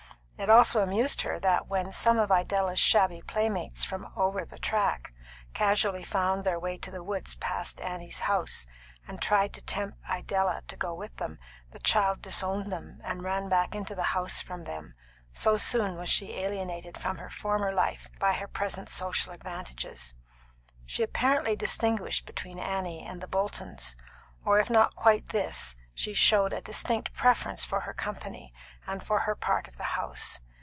It also amused her that when some of Idella's shabby playmates from Over the Track casually found their way to the woods past Annie's house, and tried to tempt Idella to go with them, the child disowned them, and ran into the house from them; so soon was she alienated from her former life by her present social advantages. She apparently distinguished between Annie and the Boltons, or if not quite this, she showed a distinct preference for her company, and for her part of the house.